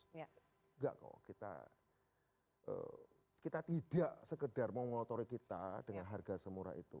enggak kok kita tidak sekedar mengotori kita dengan harga semurah itu